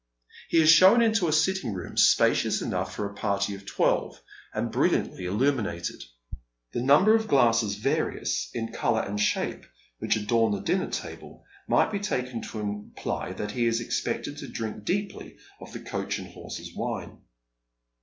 He is shown into a sitting room, spacious enough for a party of twelve, and brilliantly illuminated. The number of glasses, various in colour and shape, which adorn the dinner table, might be taken to imply that he is expected to drink deeply of the " Coach and Horses " wine.